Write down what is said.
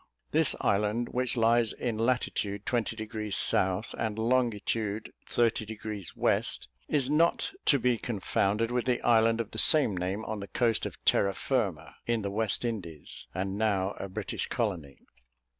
This island, which lies in latitude twenty degrees south, and longitude thirty degrees west, is not to be confounded with the island of the same name on the coast of Terra Firma, in the West Indies, and now a British colony.